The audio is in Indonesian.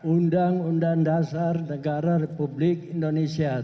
undang undang dasar negara republik indonesia